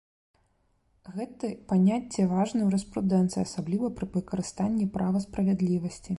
Гэты паняцце важны ў юрыспрудэнцыі, асабліва пры выкарыстанні права справядлівасці.